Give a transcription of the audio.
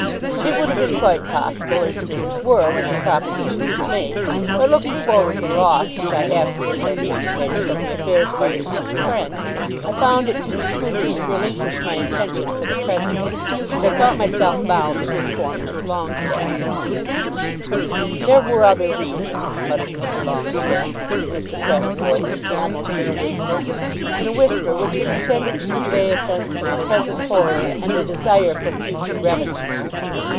"It would have been quite possible as things were when that proposition was made. But looking forward to the loss which I afterwards anticipated from the affairs of our deceased friend, I found it to be prudent to relinquish my intention for the present, and I thought myself bound to inform Miss Longestaffe." "There were other reasons," muttered Mr. Longestaffe, in a suppressed voice, almost in a whisper, in a whisper which was intended to convey a sense of present horror and a desire for future reticence.